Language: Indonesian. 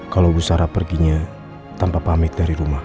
kalau gusara perginya tanpa pamit dari rumah